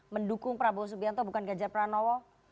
mendukung prabowo subianto bukan gajar pranowo